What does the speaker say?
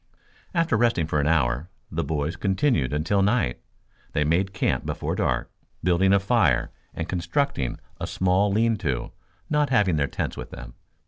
After resting for an hour the boys continued until night. They made camp before dark, building a fire and constructing a small lean to, not having their tents with them.